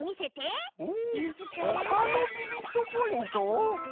ほかのビビットポイント？